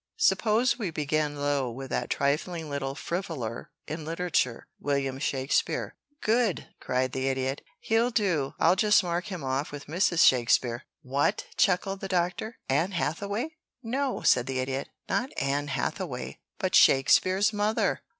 "Suppose we begin low with that trifling little frivoler in literature, William Shakespeare!" "Good!" cried the Idiot. "He'll do I'll just mark him off with Mrs. Shakespeare." "What?" chuckled the Doctor. "Anne Hathaway?" "No," said the Idiot. "Not Anne Hathaway, but Shakespeare's mother."